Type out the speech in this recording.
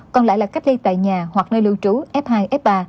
còn lại là cách ly tại nhà hoặc nơi lưu trú f hai f ba